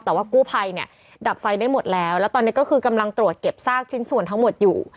แต่ว่ากู้ภัยเนี่ยดับไฟได้หมดแล้วแล้วตอนนี้ก็คือกำลังตรวจเก็บซากชิ้นส่วนทั้งหมดอยู่